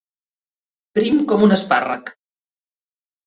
Prim com un espàrrec.